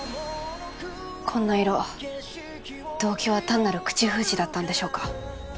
こんな色動機は単なる口封じだったんでしょうか？